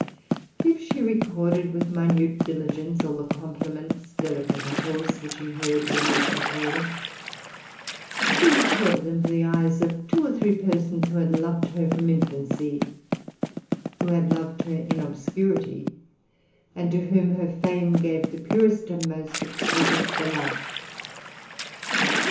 If she recorded with minute diligence all the compliments, delicate and coarse, which she heard wherever she turned, she recorded them for the eyes of two or three persons who had loved her from infancy, who had loved her in obscurity, and to whom her fame gave the purest and most exquisite delight.